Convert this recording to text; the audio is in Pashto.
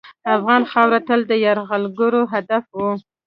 افغان خاوره تل د یرغلګرو هدف وه.